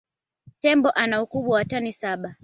Tembo ana ukubwa wa tani saba